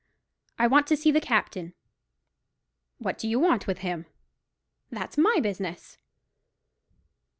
"I want to see the captain." "What do you want with him?" "That's my business."